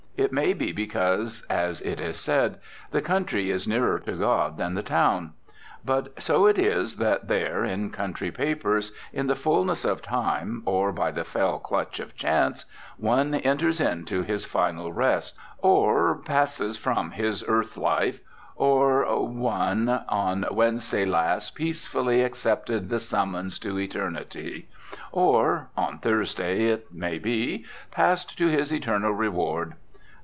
It may be because, as it is said, the country is nearer to God than the town. But so it is that there, in country papers, in the fulness of time, or by the fell clutch of chance, one "enters into his final rest," or "passes from his earth life," or one "on Wed. last peacefully accepted the summons to Eternity," or "on Thurs." (it may be) "passed to his eternal reward."